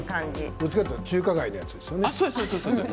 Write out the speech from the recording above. どっちかというと中華街の感じですよね。